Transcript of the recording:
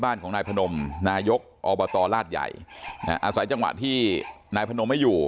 บ้านของนายพนมนายกอบตลาดใหญ่อาศัยจังหวะที่นายพนมไม่อยู่